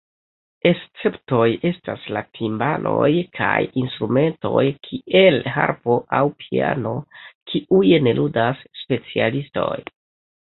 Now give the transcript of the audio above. Esceptoj estas la timbaloj kaj instrumentoj kiel harpo aŭ piano, kiujn ludas specialistoj.